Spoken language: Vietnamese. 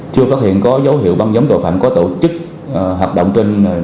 chưa phát hiện có dấu hiệu băng nhóm tội phạm có tổ chức hoạt động trên đường